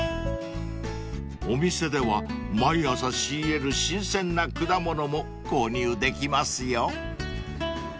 ［お店では毎朝仕入れる新鮮な果物も購入できますよ］